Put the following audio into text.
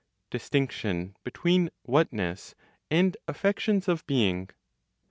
DISTINCTION BETWEEN WHATNESS AND AFFECTIONS OF BEING.